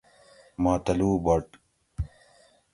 ماتلو بٹ